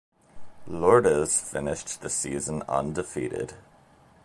Lourdes finished the season undefeated.